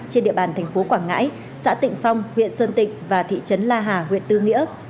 trên địa bàn thành phố quảng ngãi xã tịnh phong huyện sơn tịnh và thị trấn la hà huyện tư nghĩa